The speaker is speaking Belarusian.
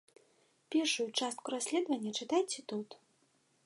Першую частку расследавання чытайце тут.